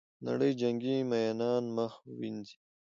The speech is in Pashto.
نړۍ جنګي میینان مخ ووینځي.